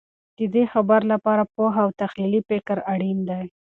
د دې خبر لپاره پوهه او تحلیلي فکر اړین دی.